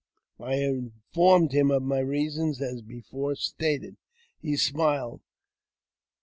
" I informed him of my reasons, as before stated. He smiled.